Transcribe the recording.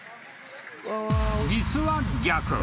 ［実は逆］